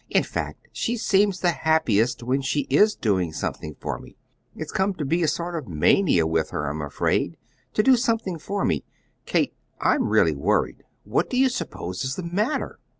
In fact, she seems the happiest when she IS doing something for me. It's come to be a sort of mania with her, I'm afraid to do something for me. Kate, I'm really worried. What do you suppose is the matter?"